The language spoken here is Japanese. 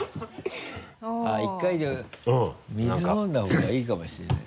１回じゃあ水飲んだ方がいいかもしれない。